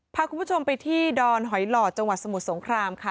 พาคุณผู้ชมไปที่ดอนหอยหล่อจังหวัดสมุทรสงครามค่ะ